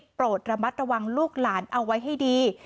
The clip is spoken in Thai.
โปรดระมัดระวังลูกหลานเอาไว้ให้ดี